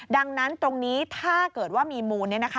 ดังนั้นตรงนี้ถ้าเกิดว่ามีมูล